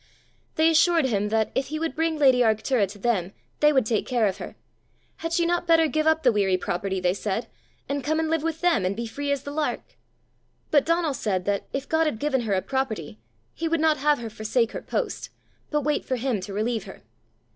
They assured him that, if he would bring lady Arctura to them, they would take care of her: had she not better give up the weary property, they said, and come and live with them, and be free as the lark? But Donal said, that, if God had given her a property, he would not have her forsake her post, but wait for him to relieve her.